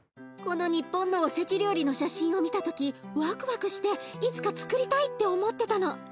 この日本のおせち料理の写真を見た時ワクワクしていつかつくりたいって思ってたの。